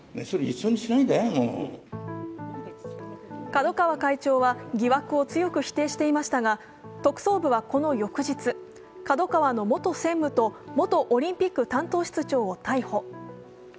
角川会長は疑惑を強く否定していましたが、特捜部は、この翌日、ＫＡＤＯＫＡＷＡの元専務と元オリンピック担当室長を逮捕。